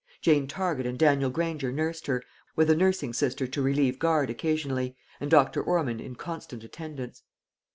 Jane Target and Daniel Granger nursed her, with a nursing sister to relieve guard occasionally, and Dr. Ormond in constant attendance.